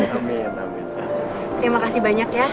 terima kasih banyak ya